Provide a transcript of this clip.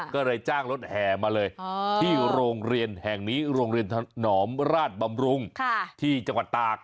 ก็เลยจ้างรถแห่มาเลยที่โรงเรียนแห่งนี้โรงเรียนถนอมราชบำรุงที่จังหวัดตาก